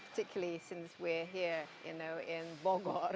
terutama karena kami berada di bogor